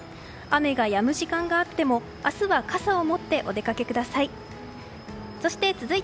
雨がやむ時間があっても明日は傘を持ってお出かけください。